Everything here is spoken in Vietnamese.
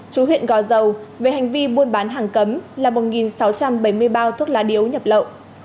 chú huyện gò dầu về hành vi buôn bán hàng cấm là một sáu trăm bảy mươi bao thuốc lá điếu nhập lậu